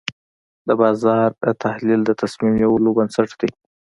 د بازار تحلیل د تصمیم نیولو بنسټ دی.